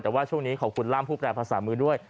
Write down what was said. แต่ว่าช่วงนี้ขอบคุณล่ามผู้แปลภาษามือด้วย